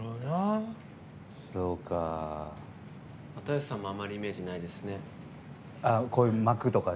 又吉さんもあんまりイメージないですね。